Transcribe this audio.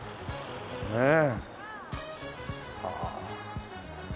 ねえ。